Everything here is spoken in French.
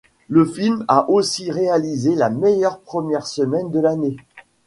Le film a aussi réalisé la meilleure première semaine de l'année.